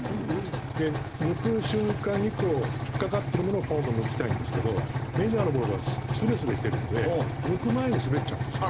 で抜く瞬間にこう引っかかってるものをポンと抜きたいんですけどメジャーのボールはすべすべしてるので抜く前に滑っちゃうんですよ。